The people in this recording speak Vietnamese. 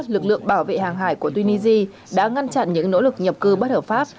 lực lượng bảo vệ hàng hải của tunisia đã ngăn chặn những nỗ lực nhập cư bất hợp pháp